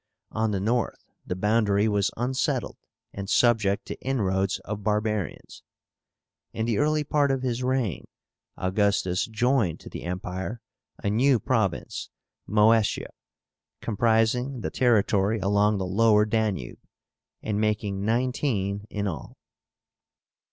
On the north the boundary was unsettled, and subject to inroads of barbarians. In the early part of his reign Augustus joined to the Empire a new province, Moesia, comprising the territory along the Lower Danube, and making nineteen in all.